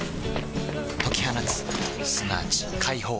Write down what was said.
解き放つすなわち解放